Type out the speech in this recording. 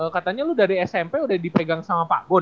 katanya lu dari smp udah dipegang sama pak gon